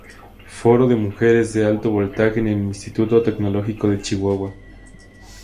Foro de Mujeres de Alto Voltaje en el Instituto Tecnológico de Chihuahua.